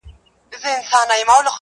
نه هغه غر، نه دامانه سته زه به چیري ځمه؛